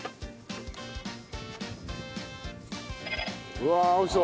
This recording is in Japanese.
うわ美味しそう。